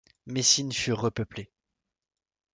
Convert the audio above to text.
Messine fut repeuplée.